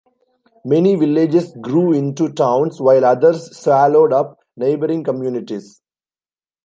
Many villages grew into towns, while others swallowed up neighbouring communities.